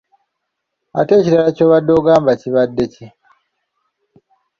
Ate ekirala kyobadde ogamba kibadde ki.